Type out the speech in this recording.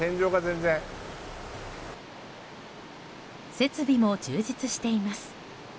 設備も充実しています。